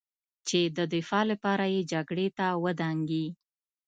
چې د دفاع لپاره یې جګړې ته ودانګي